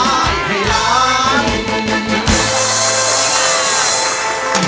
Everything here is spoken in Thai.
ถ้าตอบผิดไม่เป็นไรนั่งอยู่ต่อนะครับ